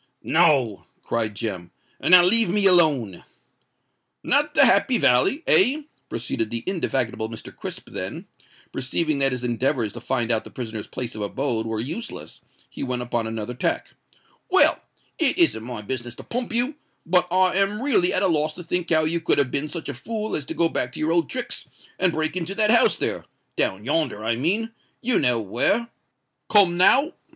"No," cried Jem; "and now leave me alone." "Not the Happy Valley—eh?" proceeded the indefatigable Mr. Crisp: then, perceiving that his endeavours to find out the prisoner's place of abode were useless, he went upon another tack. "Well—it isn't my business to pump you; but I am really at a loss to think how you could have been such a fool as to go back to your old tricks and break into that house there—down yonder, I mean—you know where? Come now?"